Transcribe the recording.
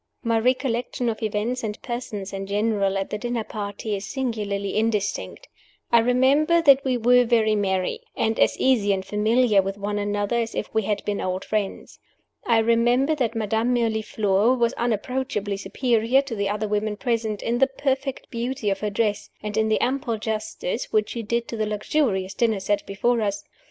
My recollection of events and persons, in general, at the dinner party, is singularly indistinct. I remember that we were very merry, and as easy and familiar with one another as if we had been old friends. I remember that Madame Mirliflore was unapproachably superior to the other women present, in the perfect beauty of her dress, and in the ample justice which she did to the luxurious dinner set before us.